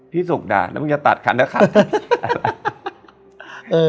ที่สุขด่าแล้วมันก็จะตัดคันด้วยคัน